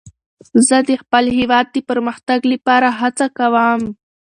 زه د خپل هېواد د پرمختګ لپاره هڅه کوم.